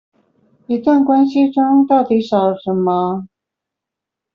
一段關係中到底少了什麼